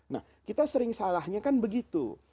nah kita sering salahnya kan begitu